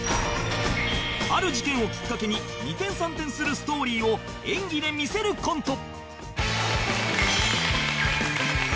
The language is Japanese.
ある事件をきっかけに二転三転するストーリーを演技でみせるコント